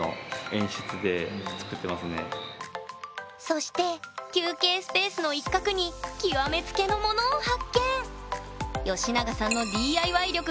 そして休憩スペースの一角に極め付けのものを発見！